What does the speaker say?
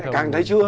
càng thấy chưa